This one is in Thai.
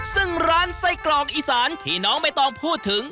ซึ่งร้านไส้กรอกอีสานที่น้องไม่ต้องพูดถึง